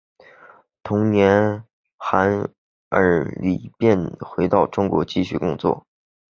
同年韩尔礼便回到中国继续工作。